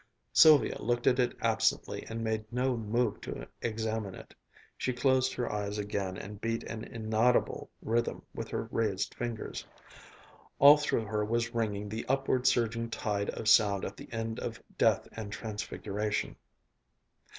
Sylvia looked at it absently and made no move to examine it. She closed her eyes again and beat an inaudible rhythm with her raised fingers. All through her was ringing the upward surging tide of sound at the end of "Death and Transfiguration."